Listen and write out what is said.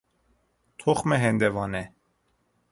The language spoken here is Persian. تخم هندوانه